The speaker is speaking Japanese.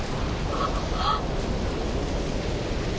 あっ。